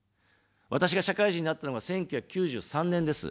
私が社会人になったのが１９９３年です。